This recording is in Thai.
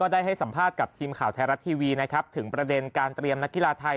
ได้ให้สัมภาษณ์กับทีมข่าวไทยรัฐทีวีนะครับถึงประเด็นการเตรียมนักกีฬาไทย